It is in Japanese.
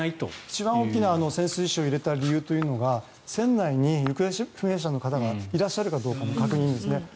一番大きな潜水士を入れた理由というのが船内に行方不明者の方がいらっしゃるかどうかの確認ですね。